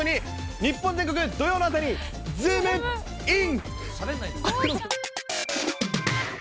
日本全国土曜の朝にズームイン！！